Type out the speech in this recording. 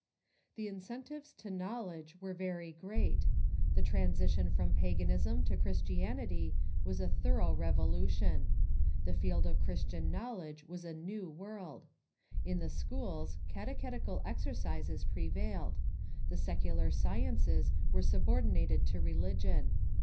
The incentives to knowledge were very great. The transi tion from paganism to Christianity was a thorough revolution. The field of Christian knowledge was a new world, lofowiedae" ^^^^ schools, catechetical exercises prevailed. The secular sciences were subordinated to religion.